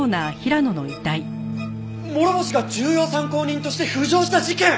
諸星が重要参考人として浮上した事件！